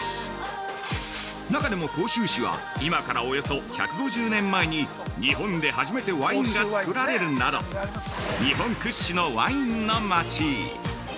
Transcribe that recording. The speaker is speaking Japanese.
中でも、甲州市は今からおよそ１５０年前に日本で初めてワインがつくられるなど日本屈指のワインの町！